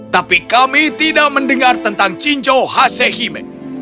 tapi kami tidak mendengar tentang cinjo hasehime